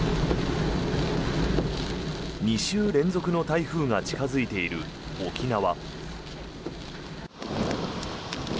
２週連続の台風が近付いている沖縄。